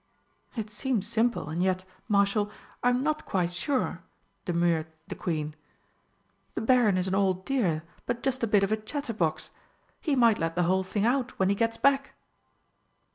"It seems simple, and yet, Marshal, I'm not quite sure," demurred the Queen. "The Baron is an old dear, but just a bit of a chatterbox. He might let the whole thing out when he gets back!"